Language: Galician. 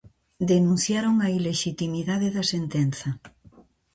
Denunciaron a ilexitimidade da sentenza.